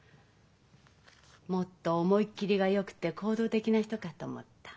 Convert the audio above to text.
もっと思い切りがよくて行動的な人かと思った。